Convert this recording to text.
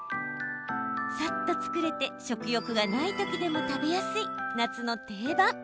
さっと作れて食欲がないときでも食べやすい夏の定番！